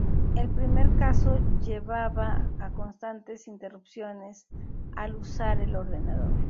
El primer caso llevaba a constantes interrupciones al usar el ordenador.